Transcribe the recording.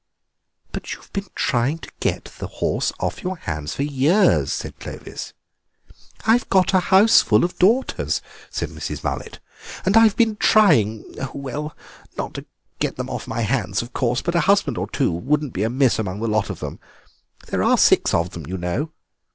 "But you've been trying to get the horse off your hands for years," said Clovis. "I've got a houseful of daughters," said Mrs. Mullet, "and I've been trying—well, not to get them off my hands, of course, but a husband or two wouldn't be amiss among the lot of them; there are six of them, you know."